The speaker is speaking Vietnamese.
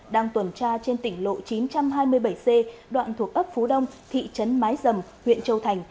đang tuần tra trên tỉnh lộ chín trăm hai mươi bảy c đoạn thuộc ấp phú đông thị trấn mái dầm huyện châu thành